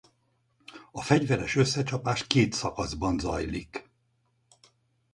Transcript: A fegyveres összecsapás két szakaszban zajlik.